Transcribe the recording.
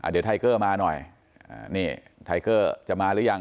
เดี๋ยวไทเกอร์มาหน่อยนี่ไทเกอร์จะมาหรือยัง